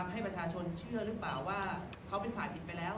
ไม่ต้องให้ประชาชนเชื่อรึเปล่าว่าเขาไปถามผิดไปแล้ว